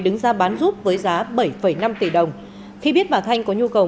đồng khi biết bà thanh có nhu cầu